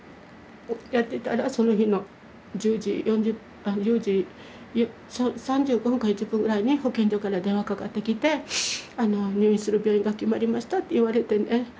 やってたらその日の１０時１０時３５分か４０分ぐらいに保健所から電話かかってきて「入院する病院が決まりました」って言われてね。